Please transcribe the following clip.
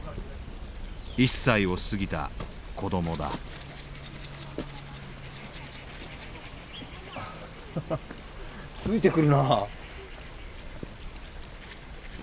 １歳を過ぎた子どもだついてくるな。